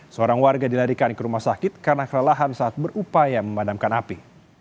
seorang warga dilarikan ke rumah sakit karena kelelahan saat berupaya memadamkan api